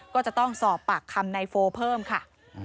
ก็จะต้องสอบปากคำในโฟเพิ่มค่ะ